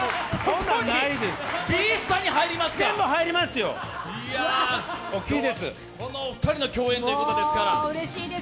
今日はこのお二人の共演ということですから５時間半。